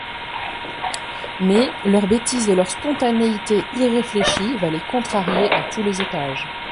Mais, leur bêtise et leur spontanéité irréfléchie va les contrarier à tous les étages.